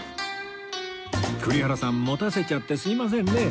栗原さん持たせちゃってすいませんね